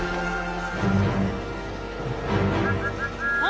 ・あ？